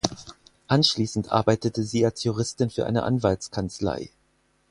Anschließend arbeitete sie als Juristin für eine Anwaltskanzlei.